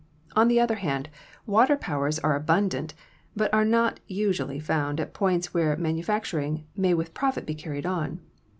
On the other hand, water powers are abun dant, but are not usually found at points where manu facturing may with profit be carried on.